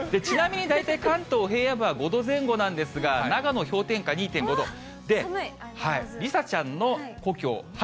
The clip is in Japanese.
ちなみに大体、関東平野部は５度前後なんですが、長野氷点下２．５度。